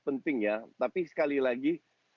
penting tapi sekali lagi